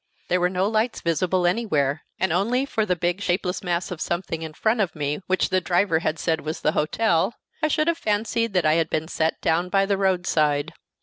There were no lights visible anywhere, and only for the big, shapeless mass of something in front of me, which the driver had said was the hotel, I should have fancied that I had been set down by the roadside.